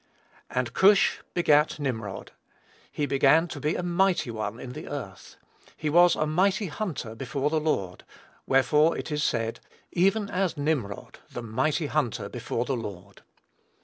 "And Cush begat Nimrod: he began to be a mighty one in the earth. He was a mighty hunter before the Lord: wherefore it is said, Even as Nimrod the mighty hunter before the Lord.